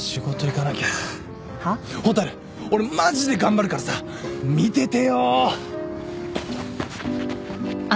蛍俺マジで頑張るからさ見ててよ。